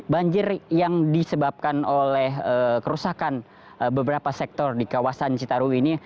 banjir yang disebabkan oleh kerusakan beberapa sektor di kawasan citaru ini